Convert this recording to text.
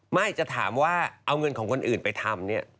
ไม่จะถามว่าเอาเงินของคนอื่นไปทำเนี่ย